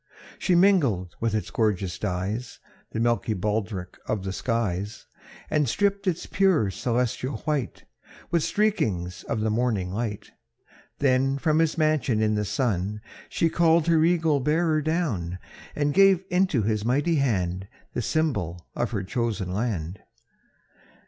She mingled with its gorgeous dyes The milky baldric of the skies, And striped its pure celestial white, With streakings of the morning light; Then from his mansion in the sun She called her eagle bearer down, And gave into his mighty hand, The symbol of her chosen land.